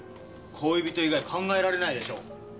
恋人以外考えられないでしょ。